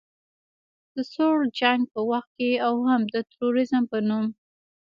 د سوړ جنګ په وخت کې او هم د تروریزم په نوم